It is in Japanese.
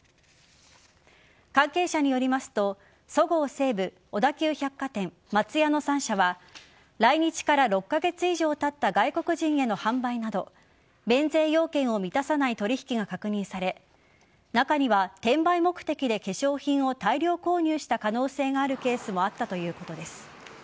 関係者によりますとそごう・西武、小田急百貨店松屋の３社は来日から６カ月以上たった外国人への販売など免税要件を満たさない取引が確認され中には転売目的で化粧品を大量購入した可能性があるケースもあったということです。